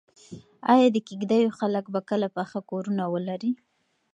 ایا د کيږديو خلک به کله پاخه کورونه ولري؟